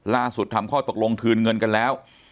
ทำข้อตกลงคืนเงินกันแล้ว